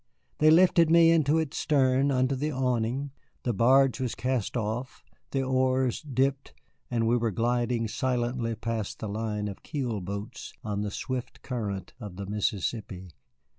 They lifted me into its stern under the awning, the barge was cast off, the oars dipped, and we were gliding silently past the line of keel boats on the swift current of the Mississippi.